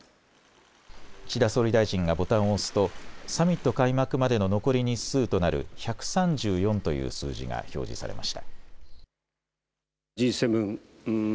岸田総理大臣がボタンを押すとサミット開幕までの残り日数となる１３４という数字が表示されました。